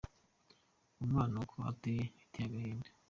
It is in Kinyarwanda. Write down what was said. Uwo mwana uko ateye, biteye agahinda.